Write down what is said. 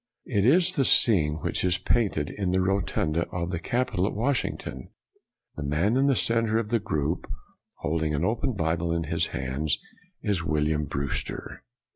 It is the scene which is painted in the rotunda of the Capitol at Washington. The man in the center of the group, hold ing an open Bible in his hands, is William Brewster.